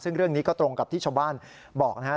ซึ่งเรื่องนี้ก็ตรงกับที่ชาวบ้านบอกนะครับ